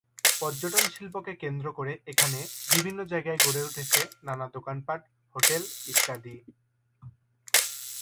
পর্যটন শিল্পকে কেন্দ্র করে এখানে বিভিন্ন জায়গায় গড়ে উঠেছে অনেক দোকানপাট, হোটেল ইত্যাদি।